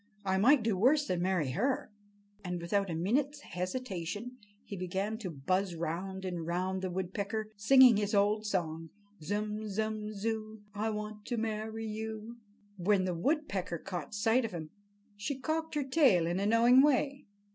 I might do worse than marry her." And without a minute's hesitation he began to buzz round and round the woodpecker, singing his old song: "Zum, zum, zoo, I want to marry you!" When the woodpecker caught sight of him, she cocked her tail in a knowing way.